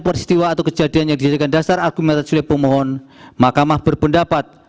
peristiwa atau kejadian yang dijadikan dasar argumentasi oleh pemohon mahkamah berpendapat